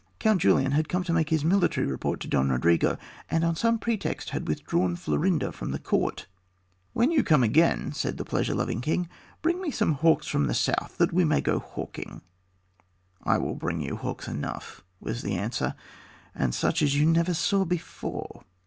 Count Julian had come to make his military report to Don Rodrigo, and on some pretext had withdrawn Florinda from the court. "When you come again," said the pleasure loving king, "bring me some hawks from the south, that we may again go hawking." "I will bring you hawks enough," was the answer, "and such as you never saw before."